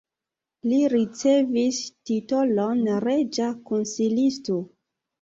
Li ricevis titolon reĝa konsilisto.